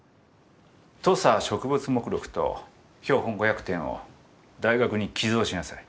土佐植物目録と標本５００点を大学に寄贈しなさい。